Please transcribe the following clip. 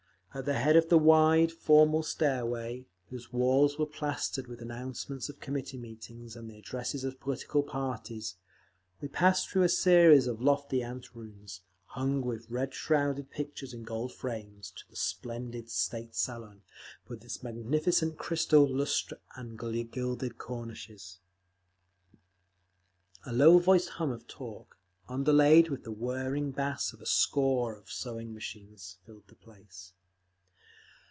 At the head of the wide, formal stairway, whose walls were plastered with announcements of committee meetings and addresses of political parties, we passed through a series of lofty ante rooms, hung with red shrouded pictures in gold frames, to the splendid state salon, with its magnificent crystal lustres and gilded cornices. A low voiced hum of talk, underlaid with the whirring bass of a score of sewing machines, filled the place.